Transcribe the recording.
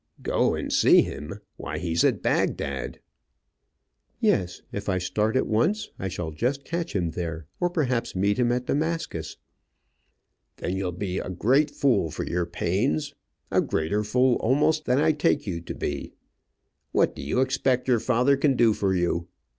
"Go and see him! Why, he's at Bagdad." "Yes. If I start at once I shall just catch him there, or perhaps meet him at Damascus." "Then you'll be a great fool for your pains a greater fool almost than I take you to be. What do you expect your father can do for you?